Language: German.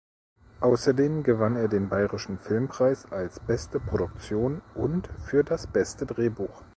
Außerdem gewann er den Bayerischen Filmpreis als beste Produktion und für das beste Drehbuch.